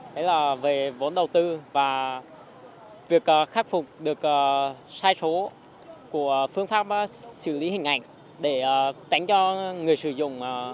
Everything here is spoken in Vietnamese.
đấy là về vốn đầu tư và việc khắc phục được sai số của phương pháp xử lý hình ảnh để tránh cho người sử dụng